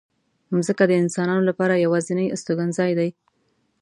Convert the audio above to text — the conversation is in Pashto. مځکه د انسانانو لپاره یوازینۍ استوګنځای دی.